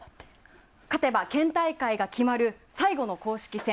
勝てば県大会が決まる最後の公式戦。